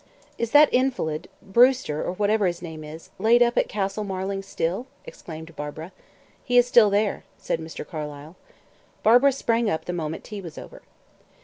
"Is that invalid Brewster, or whatever his name is laid up at Castle Marling, still?" exclaimed Barbara. "He is still there," said Mr. Carlyle. Barbara sprang up the moment tea was over.